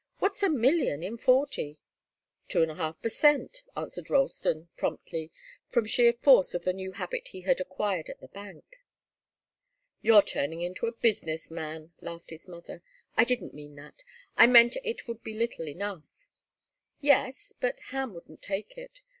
What's a million in forty?" "Two and a half per cent," answered Ralston, promptly, from sheer force of the new habit he had acquired at the bank. "You're turning into a business man," laughed his mother. "I didn't mean that. I meant it would be little enough." "Yes but Ham wouldn't take it.